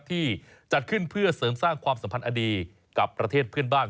ที่จัดขึ้นเพื่อเสริมสร้างความสัมพันธ์อดีตกับประเทศเพื่อนบ้าน